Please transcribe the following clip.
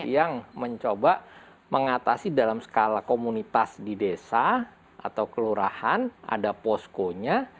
yang mencoba mengatasi dalam skala komunitas di desa atau kelurahan ada poskonya